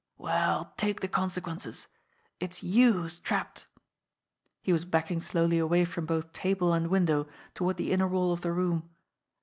Well, take the consequences! It's you who's trapped !" He was backing slowly away from both table and window toward the inner wall of the room.